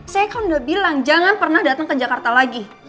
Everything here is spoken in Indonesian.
saya kan udah bilang jangan pernah datang ke jakarta lagi